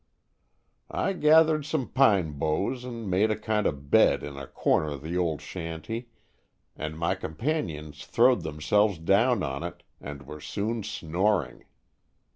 "I gethered some pine boughs and made a kind o' bed in a corner of the old shanty and my companions throwed themselves down on it, and were soon snoring.